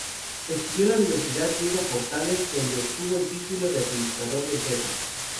Estudió en la Universidad Diego Portales, donde obtuvo el título de Administrador de Empresas.